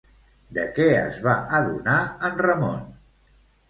De què es va adonar en Ramon?